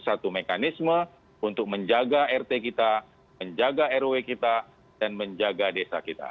satu mekanisme untuk menjaga rt kita menjaga rw kita dan menjaga desa kita